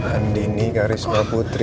andini karisma putri